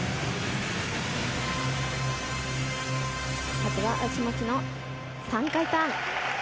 まずは足持ちの３回ターン。